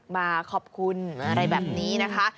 มาขอบคุณอะไรแบบนี้นะคะ